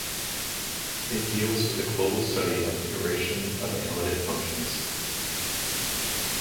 It deals with a global study of iteration of analytic functions.